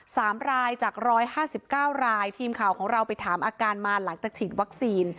สามรายจากร้อยห้าสิบเก้ารายทีมข่าวของเราไปถามอาการมาหลังจากฉีดวัคซีน